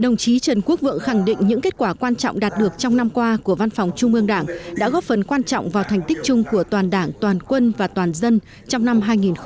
đồng chí trần quốc vượng khẳng định những kết quả quan trọng đạt được trong năm qua của văn phòng trung ương đảng đã góp phần quan trọng vào thành tích chung của toàn đảng toàn quân và toàn dân trong năm hai nghìn một mươi tám